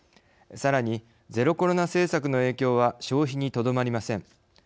さらにゼロコロナ政策の影響は消費にとどまりません。